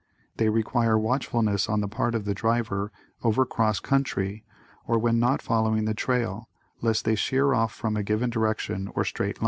They require watchfulness on the part of the driver over cross country or when not following the trail, lest they sheer off from a given direction or straight line.